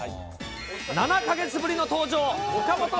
７か月ぶりの登場。